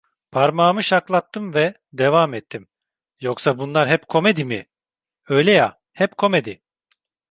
Parmağımı şaklattım ve devam ettim: "Yoksa bunlar hep komedi mi?", öyle ya, hep komedi…